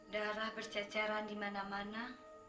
darah bercecaran dimana mana